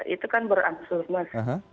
itu kan beransur mas